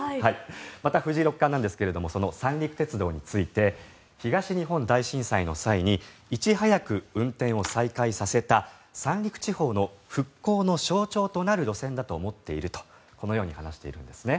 また、藤井六冠なんですが三陸鉄道について東日本大震災の際にいち早く運転を再開させた三陸地方の復興の象徴となる路線だと思っているとこのように話しているんですね。